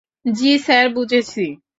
জ্বি, স্যার, বুঝেছি।